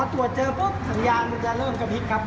ตรวจเจอปุ๊บสัญญาณมันจะเริ่มกระพริบครับ